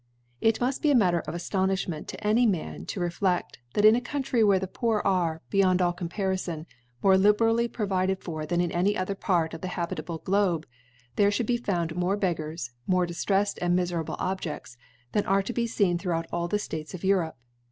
It muft be Matter of Aftonifliment to any Man to nficd, that in a Country where the Poor are, beyond all Comparifon, more liberally provided for than in any other Part of the habirable Globe, there fhould be found more Beggars, more diftreft and mi* ferablc (49) ferable Objefts than are to be feen through* out all the States o( Europe.